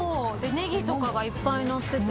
ネギとかがいっぱい載ってて。